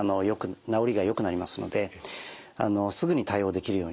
治りがよくなりますのですぐに対応できるようにですね